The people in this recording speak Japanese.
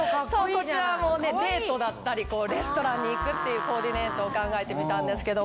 こちらはデートだったりレストランに行くっていうコーディネートを考えてみたんですけど。